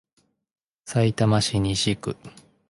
さいたま市西区